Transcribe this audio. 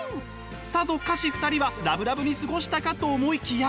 さぞかし２人はラブラブに過ごしたかと思いきや。